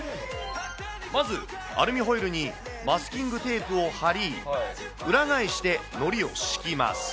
まずアルミホイルにマスキングテープを貼り、裏返してのりを敷きます。